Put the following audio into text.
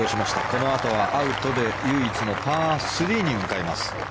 このあとはアウトで唯一のパー３に向かいます。